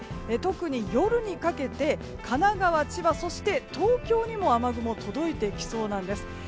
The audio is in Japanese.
特に夜にかけて神奈川、千葉、東京にも雨雲が届いてきそうなんです。